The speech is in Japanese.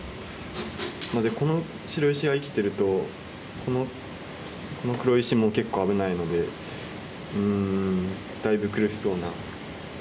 この白石が生きてるとこの黒石も結構危ないのでうんだいぶ苦しそうな展開です。